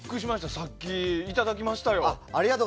さっきいただきましたよ。